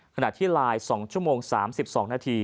ขณะที่ไลน์๒ชั่วโมง๓๒นาที